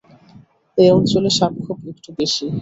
এই অঞ্চলে সাপখোপ একটু বেশি।